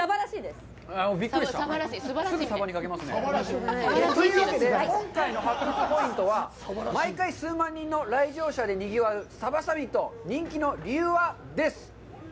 すぐサバにかけますね。というわけで、今回の発掘ポイントは、毎回数万人の来場者でにぎわう「鯖サミット」、人気の理由は？です。